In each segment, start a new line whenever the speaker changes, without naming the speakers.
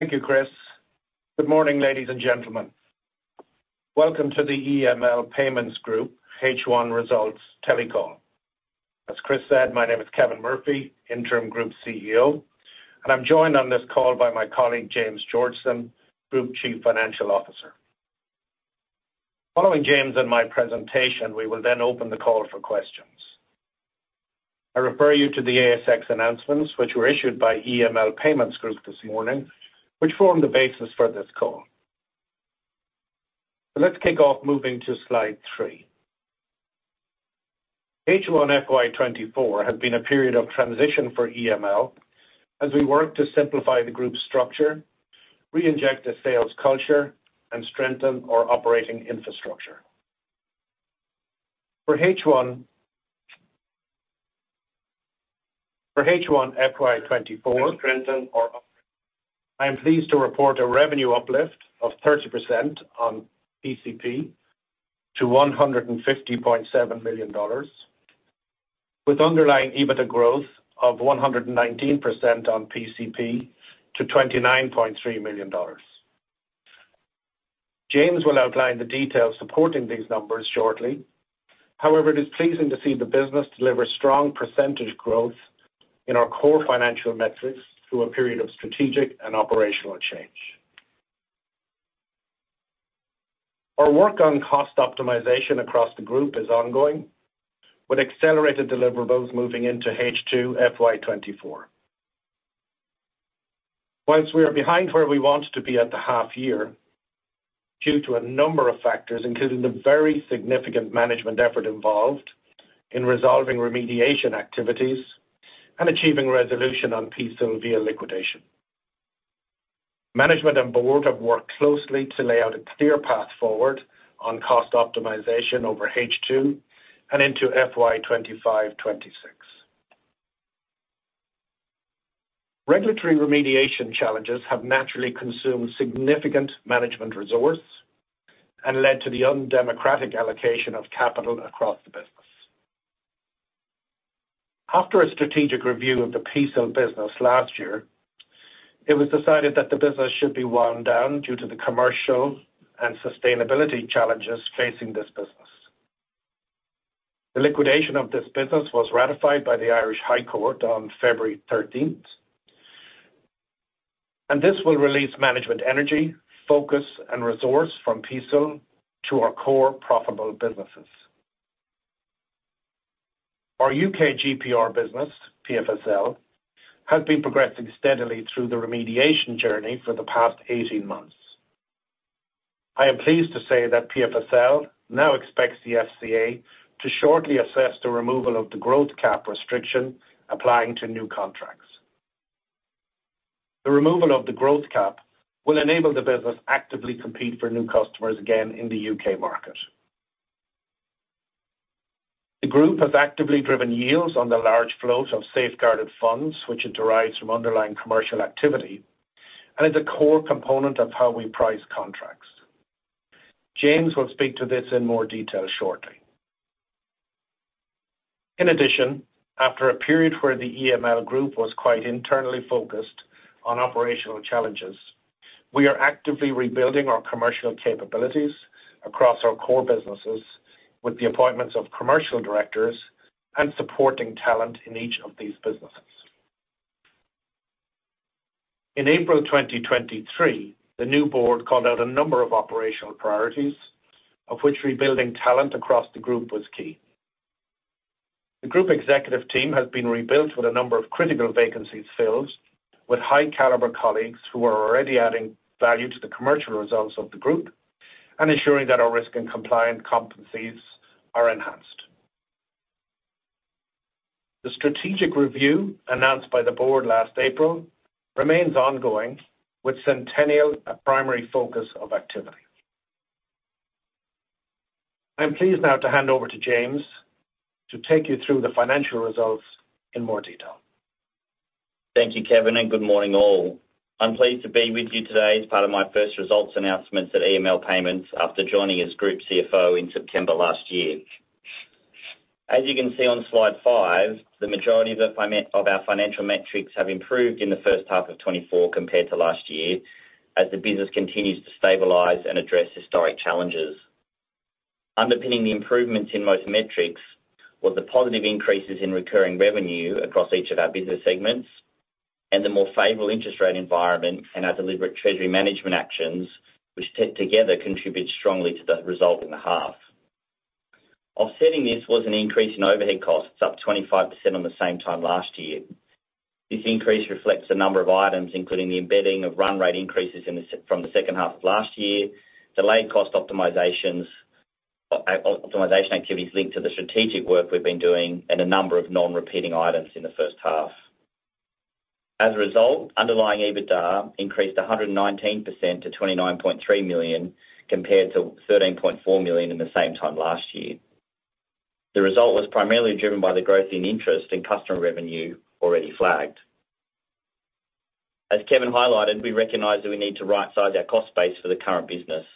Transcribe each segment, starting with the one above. Thank you, Chris. Good morning, ladies and gentlemen. Welcome to the EML Payments Group H1 Results Telecall. As Chris said, my name is Kevin Murphy, Interim Group CEO, and I'm joined on this call by my colleague James Georgeson, Group Chief Financial Officer. Following James and my presentation, we will then open the call for questions. I refer you to the ASX announcements which were issued by EML Payments Group this morning, which form the basis for this call. So let's kick off moving to slide three. H1 FY24 has been a period of transition for EML as we work to simplify the group structure, reinject a sales culture, and strengthen our operating infrastructure. For H1 FY 2024, I am pleased to report a revenue uplift of 30% on PCP to 150.7 million dollars, with underlying EBITDA growth of 119% on PCP to 29.3 million dollars. James will outline the details supporting these numbers shortly. However, it is pleasing to see the business deliver strong percentage growth in our core financial metrics through a period of strategic and operational change. Our work on cost optimization across the group is ongoing, with accelerated deliverables moving into H2 FY 2024. While we are behind where we want to be at the half-year due to a number of factors, including the very significant management effort involved in resolving remediation activities and achieving resolution on PCSIL via liquidation, management and board have worked closely to lay out a clear path forward on cost optimization over H2 and into FY 2025-2026. Regulatory remediation challenges have naturally consumed significant management resources and led to the uneconomic allocation of capital across the business. After a strategic review of the PCSIL business last year, it was decided that the business should be wound down due to the commercial and sustainability challenges facing this business. The liquidation of this business was ratified by the Irish High Court on February 13th, and this will release management energy, focus, and resource from PCSIL to our core profitable businesses. Our U.K. GPR business, PFSL, has been progressing steadily through the remediation journey for the past 18 months. I am pleased to say that PFSL now expects the FCA to shortly assess the removal of the growth cap restriction applying to new contracts. The removal of the growth cap will enable the business to actively compete for new customers again in the U.K. market. The group has actively driven yields on the large float of safeguarded funds, which it derives from underlying commercial activity, and is a core component of how we price contracts. James will speak to this in more detail shortly. In addition, after a period where the EML group was quite internally focused on operational challenges, we are actively rebuilding our commercial capabilities across our core businesses with the appointments of commercial directors and supporting talent in each of these businesses. In April 2023, the new board called out a number of operational priorities, of which rebuilding talent across the group was key. The group executive team has been rebuilt with a number of critical vacancies filled, with high-caliber colleagues who are already adding value to the commercial results of the group and ensuring that our risk and compliance competencies are enhanced. The strategic review announced by the board last April remains ongoing, with Sentenial a primary focus of activity. I am pleased now to hand over to James to take you through the financial results in more detail.
Thank you, Kevin, and good morning all. I'm pleased to be with you today as part of my first results announcements at EML Payments after joining as Group CFO in September last year. As you can see on slide five, the majority of our financial metrics have improved in the first half of 2024 compared to last year as the business continues to stabilize and address historic challenges. Underpinning the improvements in most metrics was the positive increases in recurring revenue across each of our business segments and the more favorable interest rate environment and our deliberate treasury management actions, which together contributed strongly to the result in the half. Offsetting this was an increase in overhead costs up 25% on the same time last year. This increase reflects a number of items, including the embedding of run rate increases from the second half of last year, delayed cost optimization activities linked to the strategic work we've been doing, and a number of non-repeating items in the first half. As a result, underlying EBITDA increased 119% to 29.3 million compared to 13.4 million in the same time last year. The result was primarily driven by the growth in interest and customer revenue already flagged. As Kevin highlighted, we recognize that we need to right-size our cost base for the current business.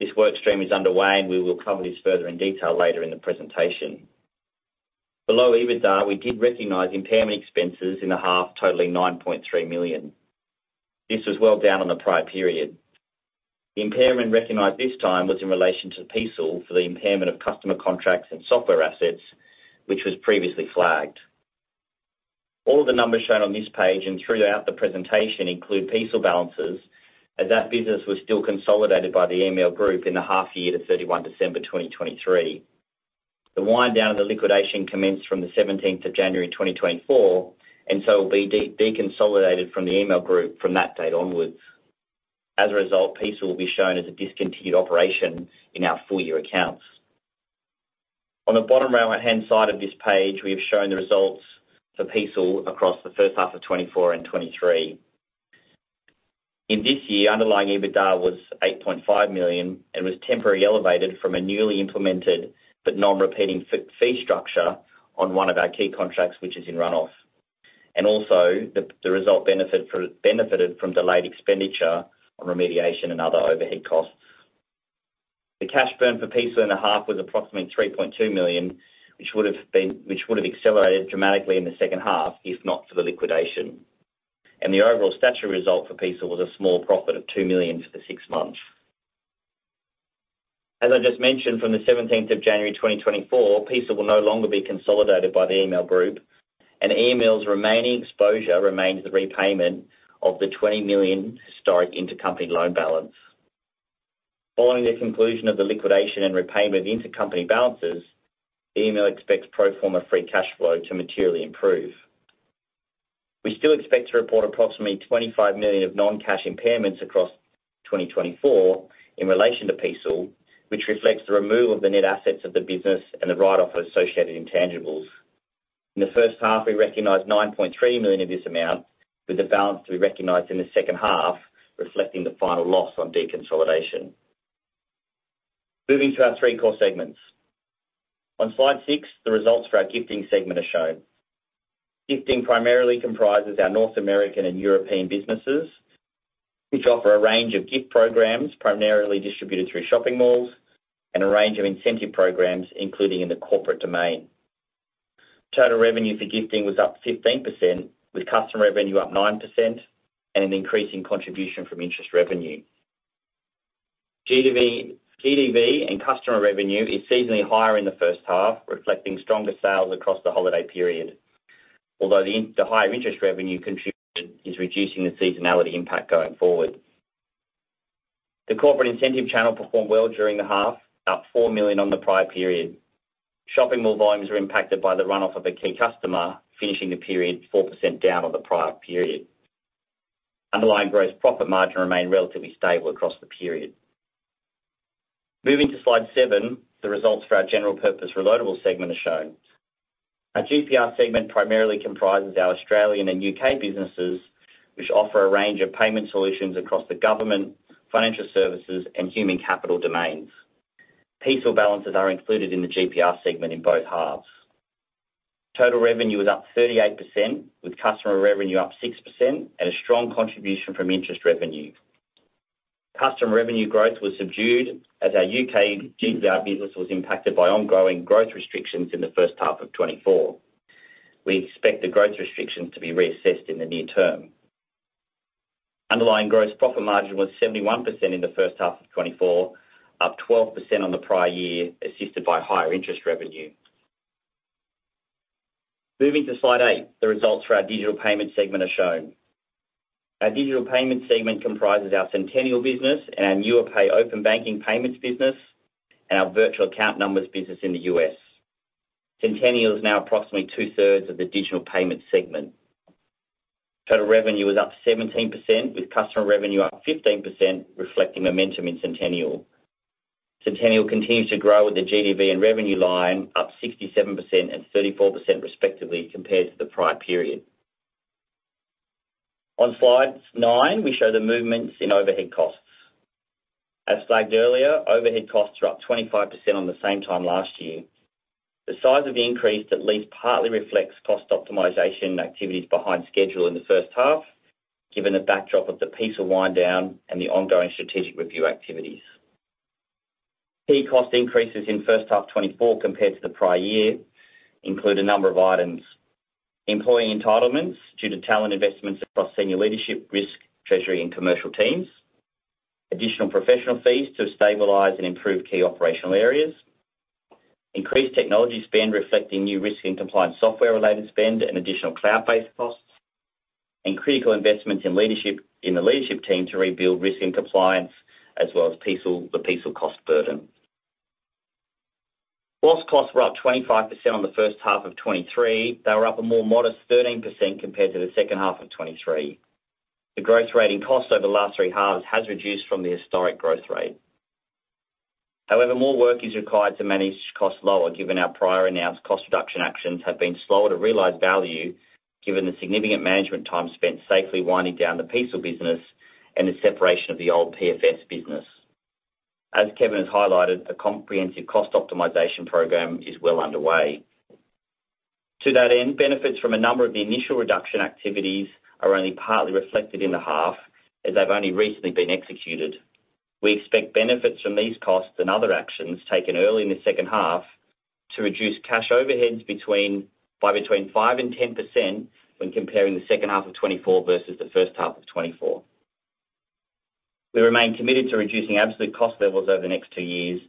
This workstream is underway, and we will cover this further in detail later in the presentation. Below EBITDA, we did recognize impairment expenses in the half, totaling 9.3 million. This was well down on the prior period. The impairment recognized this time was in relation to PCSIL for the impairment of customer contracts and software assets, which was previously flagged. All of the numbers shown on this page and throughout the presentation include PCSIL balances as that business was still consolidated by the EML group in the half-year to 31 December 2023. The wind-down of the liquidation commenced from the 17th of January 2024 and so will be deconsolidated from the EML group from that date onwards. As a result, PCSIL will be shown as a discontinued operation in our full-year accounts. On the bottom right-hand side of this page, we have shown the results for PCSIL across the first half of 2024 and 2023. In this year, underlying EBITDA was 8.5 million and was temporarily elevated from a newly implemented but non-repeating fee structure on one of our key contracts, which is in runoff. Also, the result benefited from delayed expenditure on remediation and other overhead costs. The cash burn for PCSIL in the half was approximately 3.2 million, which would have accelerated dramatically in the second half if not for the liquidation. The overall statutory result for PCSIL was a small profit of 2 million for the six months. As I just mentioned, from the 17th of January 2024, PCSIL will no longer be consolidated by the EML group, and EML's remaining exposure remains the repayment of the 20 million historic intercompany loan balance. Following the conclusion of the liquidation and repayment of intercompany balances, EML expects pro forma free cash flow to materially improve. We still expect to report approximately 25 million of non-cash impairments across 2024 in relation to PCSIL, which reflects the removal of the net assets of the business and the write-off of associated intangibles. In the first half, we recognize 9.3 million of this amount, with the balance to be recognized in the second half reflecting the final loss on deconsolidation. Moving to our three core segments. On slide six, the results for our gifting segment are shown. Gifting primarily comprises our North American and European businesses, which offer a range of gift programs primarily distributed through shopping malls and a range of incentive programs, including in the corporate domain. Total revenue for gifting was up 15%, with customer revenue up 9% and an increasing contribution from interest revenue. GDV and customer revenue is seasonally higher in the first half, reflecting stronger sales across the holiday period, although the higher interest revenue contributed is reducing the seasonality impact going forward. The corporate incentive channel performed well during the half, up 4 million on the prior period. Shopping mall volumes were impacted by the runoff of a key customer, finishing the period 4% down on the prior period. Underlying gross profit margin remained relatively stable across the period. Moving to slide seven, the results for our general-purpose reloadable segment are shown. Our GPR segment primarily comprises our Australian and U.K. businesses, which offer a range of payment solutions across the government, financial services, and human capital domains. PCSIL balances are included in the GPR segment in both halves. Total revenue was up 38%, with customer revenue up 6% and a strong contribution from interest revenue. Customer revenue growth was subdued as our U.K. GPR business was impacted by ongoing growth restrictions in the first half of 2024. We expect the growth restrictions to be reassessed in the near term. Underlying gross profit margin was 71% in the first half of 2024, up 12% on the prior year, assisted by higher interest revenue. Moving to slide eight, the results for our digital payment segment are shown. Our digital payment segment comprises our Sentenial business and our Nuapay open banking payments business and our virtual account numbers business in the U.S. Sentenial is now approximately two-thirds of the digital payment segment. Total revenue was up 17%, with customer revenue up 15%, reflecting momentum in Sentenial continues to grow with the GDV and revenue line up 67% and 34% respectively compared to the prior period. On slide nine, we show the movements in overhead costs. As flagged earlier, overhead costs were up 25% on the same time last year. The size of the increase at least partly reflects cost optimization activities behind schedule in the first half, given the backdrop of the PCSIL wind-down and the ongoing strategic review activities. Key cost increases in first half 2024 compared to the prior year include a number of items: employee entitlements due to talent investments across senior leadership, risk, treasury, and commercial teams; additional professional fees to stabilize and improve key operational areas; increased technology spend reflecting new risk and compliance software-related spend and additional cloud-based costs; and critical investments in the leadership team to rebuild risk and compliance as well as the PCSIL cost burden. While costs were up 25% on the first half of 2023, they were up a more modest 13% compared to the second half of 2023. The growth rate in costs over the last three halves has reduced from the historic growth rate. However, more work is required to manage costs lower, given our prior announced cost reduction actions have been slower to realize value, given the significant management time spent safely winding down the PCSIL business and the separation of the old PFS business. As Kevin has highlighted, a comprehensive cost optimization program is well underway. To that end, benefits from a number of the initial reduction activities are only partly reflected in the half as they've only recently been executed. We expect benefits from these costs and other actions taken early in the second half to reduce cash overheads by between 5% and 10% when comparing the second half of 2024 versus the first half of 2024. We remain committed to reducing absolute cost levels over the next two years,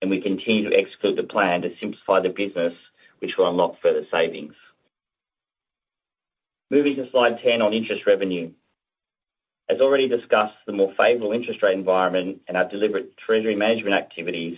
and we continue to execute the plan to simplify the business, which will unlock further savings. Moving to slide 10 on interest revenue. As already discussed, the more favorable interest rate environment and our deliberate treasury management activities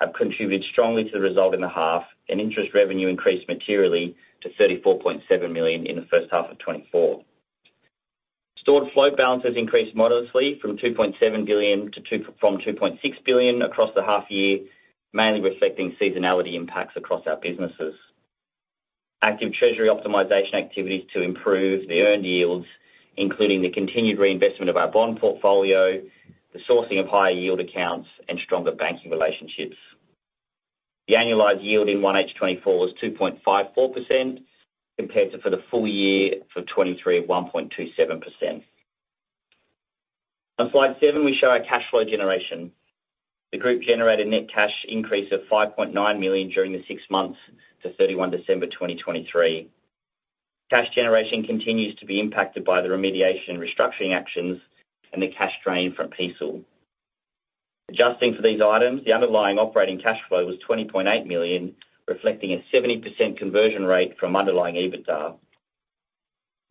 have contributed strongly to the result in the half, and interest revenue increased materially to 34.7 million in the first half of 2024. Stored float balances increased modestly from 2.7 billion to 2.6 billion across the half-year, mainly reflecting seasonality impacts across our businesses. Active treasury optimization activities to improve the earned yields, including the continued reinvestment of our bond portfolio, the sourcing of higher yield accounts, and stronger banking relationships. The annualized yield in 1H 2024 was 2.54% compared to for the full year for 2023 of 1.27%. On slide seven, we show our cash flow generation. The group generated net cash increase of 5.9 million during the six months to 31 December 2023. Cash generation continues to be impacted by the remediation and restructuring actions and the cash drain from PCSIL. Adjusting for these items, the underlying operating cash flow was 20.8 million, reflecting a 70% conversion rate from underlying EBITDA.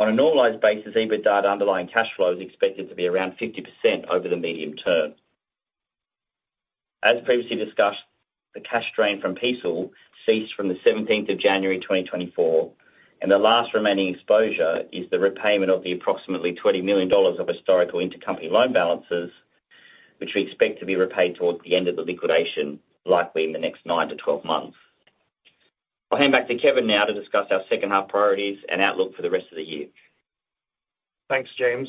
On a normalized basis, EBITDA to underlying cash flow is expected to be around 50% over the medium term. As previously discussed, the cash drain from PCSIL ceased from the 17th of January 2024, and the last remaining exposure is the repayment of the approximately 20 million dollars of historical intercompany loan balances, which we expect to be repaid towards the end of the liquidation, likely in the next nine to 12 months. I'll hand back to Kevin now to discuss our second half priorities and outlook for the rest of the year.
Thanks, James.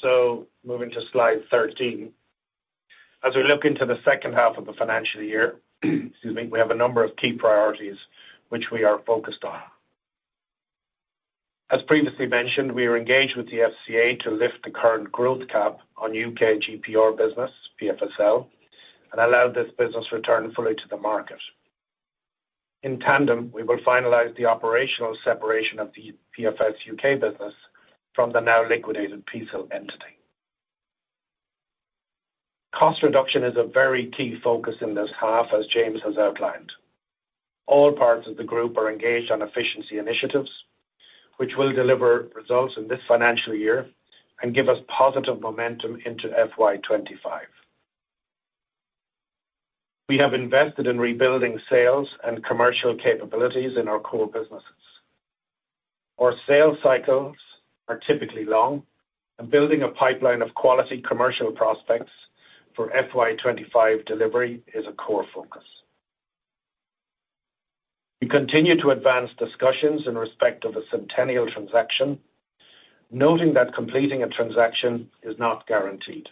So moving to slide 13. As we look into the second half of the financial year, excuse me, we have a number of key priorities which we are focused on. As previously mentioned, we are engaged with the FCA to lift the current growth cap on U.K. GPR business, PFSL, and allow this business to return fully to the market. In tandem, we will finalize the operational separation of the PFS U.K. business from the now liquidated PCSIL entity. Cost reduction is a very key focus in this half, as James has outlined. All parts of the group are engaged on efficiency initiatives, which will deliver results in this financial year and give us positive momentum into FY 2025. We have invested in rebuilding sales and commercial capabilities in our core businesses. Our sales cycles are typically long, and building a pipeline of quality commercial prospects for FY 2025 delivery is a core focus. We continue to advance discussions in respect of the Sentenial transaction, noting that completing a transaction is not guaranteed.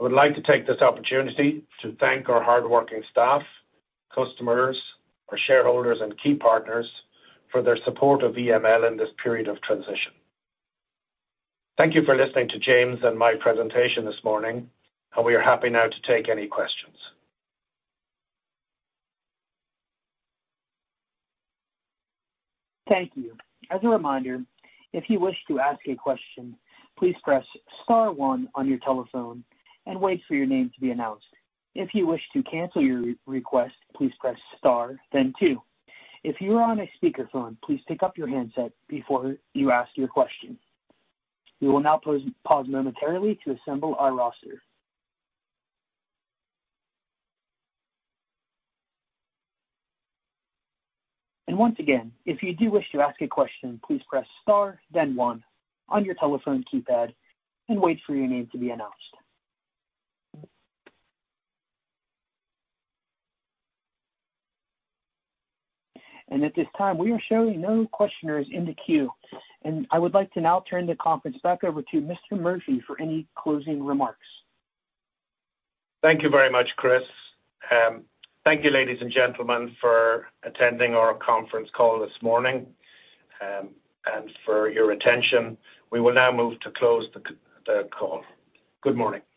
I would like to take this opportunity to thank our hardworking staff, customers, our shareholders, and key partners for their support of EML in this period of transition. Thank you for listening to James and my presentation this morning, and we are happy now to take any questions.
Thank you. As a reminder, if you wish to ask a question, please press star one on your telephone and wait for your name to be announced. If you wish to cancel your request, please press star, then two. If you are on a speakerphone, please pick up your handset before you ask your question. We will now pause momentarily to assemble our roster. Once again, if you do wish to ask a question, please press star, then one, on your telephone keypad, and wait for your name to be announced. At this time, we are showing no questions in the queue. I would like to now turn the conference back over to Mr. Murphy for any closing remarks.
Thank you very much, Chris. Thank you, ladies and gentlemen, for attending our conference call this morning and for your attention. We will now move to close the call. Good morning.